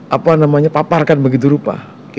apa namanya paparkan begitu rupa